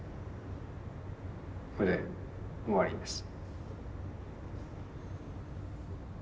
これで終わりです。